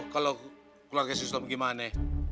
kalau keluarga si sulam gimana